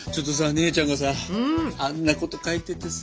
姉ちゃんがさあんなこと書いててさ。